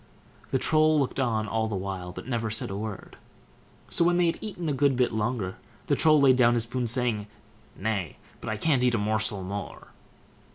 The Troll looked on all the while, but said never a word. So when they had eaten a good bit longer, the Troll laid down his spoon, saying, "Nay! but I can't eat a morsel more."